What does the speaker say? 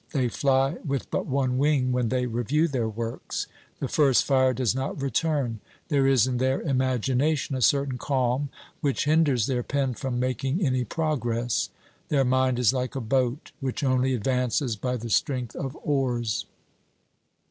They fly with but one wing when they review their works; the first fire does not return; there is in their imagination a certain calm which hinders their pen from making any progress. Their mind is like a boat, which only advances by the strength of oars."